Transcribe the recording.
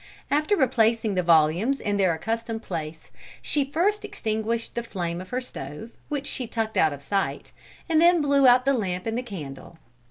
After replacing the volumes in their accustomed place, she first extinguished the flame of her stove, which she tucked out of sight, and then blew out the lamp and the candle.